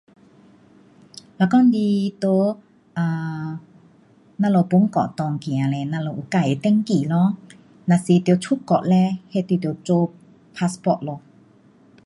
若讲是在我们 um 本国内走嘞，我们有自的登记咯，若是得出国嘞，那你得做 passport 咯。